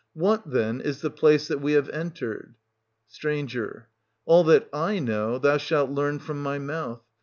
What, then, is the place that we have entered 1 St. All that / know, thou shalt learn from my mouth.